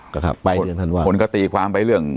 คนก็ตีความไปเรื่อง